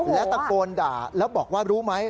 และตะโกนด่าแล้วบอกว่ารู้ไหม